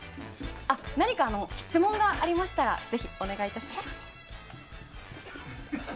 何か質問がありましたらぜひお願いします。